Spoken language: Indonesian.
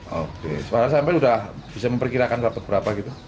soalnya sampai udah bisa memperkirakan ratu berapa gitu